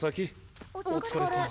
お疲れさま。